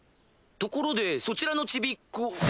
ところでそちらのチビっ子。